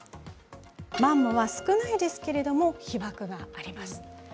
マンモは少ないですけれども被ばくがあります。